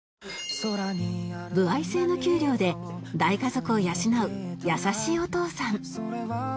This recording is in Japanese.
歩合制の給料で大家族を養う優しいお父さん